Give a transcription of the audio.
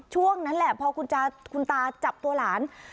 ช่วงนั้นแหละพอคุณตาจับตัวหลาน